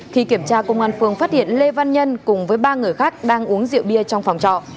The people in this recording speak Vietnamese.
khi kiểm tra công an phường phát hiện lê văn nhân cùng với ba người khác đang uống rượu bia trong phòng trọ